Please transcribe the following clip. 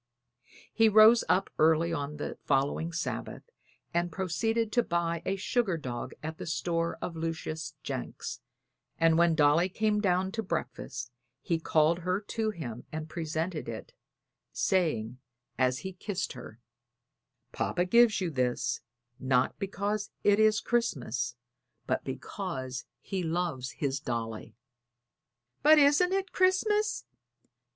He rose up early on the following Sabbath and proceeded to buy a sugar dog at the store of Lucius Jenks, and when Dolly came down to breakfast he called her to him and presented it, saying as he kissed her: "Papa gives you this, not because it is Christmas, but because he loves his little Dolly." "But isn't it Christmas?"